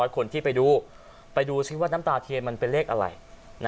๑๐๐คนทีไปดูน้ำตาเพลงเป็นเร่งไหม